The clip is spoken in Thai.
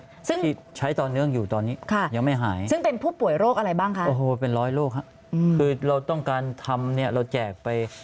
มันใช้กับโรคอะไรได้บ้างเพราะฉะนั้นเราไม่จำกัด